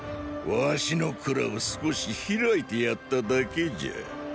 儂の蔵を少し開いてやっただけじゃ。